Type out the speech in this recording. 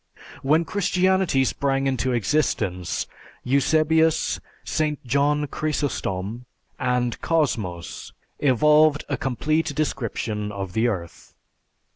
When Christianity sprang into existence Eusebius, St. John Chrysostom, and Cosmos evolved a complete description of the earth.